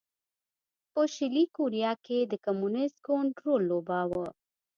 په شلي کوریا کې د کمونېست ګوند رول لوباوه.